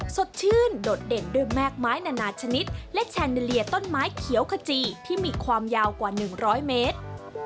สดชื่นโดดเด่นด้วยแม่กไม้นานาชนิดและแชนนิเลียต้นไม้เขียวขจีที่มีความยาวกว่า๑๐๐เมตร